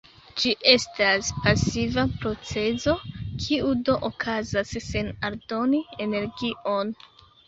Ĝi estas pasiva procezo, kiu do okazas sen aldoni energion.